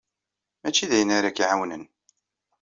Mačči d ayen ara k-iɛawnen.